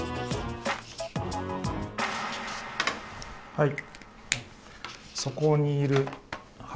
はい。